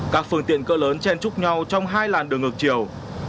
các phương tiện cỡ lớn chen chúc nhau trong hai làn đường ngược chiều